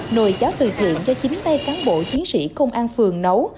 nồi cháo thực hiện cho chính tay cán bộ chiến sĩ công an phường nấu